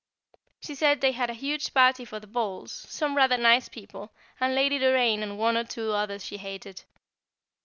She said they had a huge party for the balls, some rather nice people, and Lady Doraine and one or two others she hated.